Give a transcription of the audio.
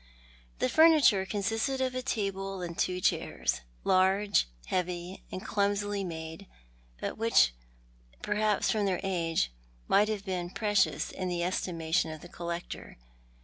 . The furniture consisted of a table and two chairs, large, heavy, and clumsily made, but which perhaps from their age might have been precious in the estimation of the collector.